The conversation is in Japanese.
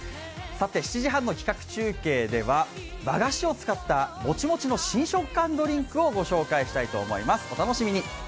７時半の企画中継では和菓子を使ったもちもちの新食感ドリンクをご紹介したいと思います、お楽しみに。